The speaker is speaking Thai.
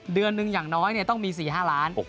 เดือนหนึ่งอย่างน้อยต้องมี๔๕ล้าน